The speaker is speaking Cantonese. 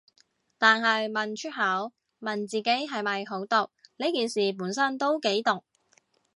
但係問出口，問自己係咪好毒，呢件事本身都幾毒